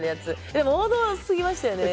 でも、王道すぎましたね。